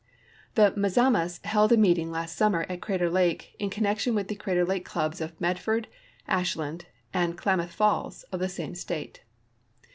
The Mazamas held a meeting last summer at Crater lake in connection with the Crater Lake clubs of Medford, Ashland, and Klamath Falls, of the same state.